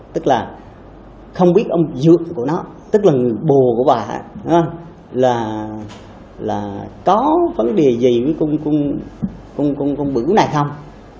tức là không biết ông dược của nó là có vấn đề gì với con bữ này không